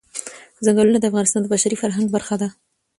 ځنګلونه د افغانستان د بشري فرهنګ برخه ده.